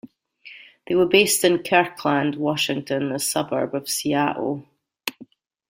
They were based in Kirkland, Washington, a suburb of Seattle.